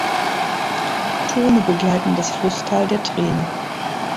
Tone begleiten das Flusstal der Treene.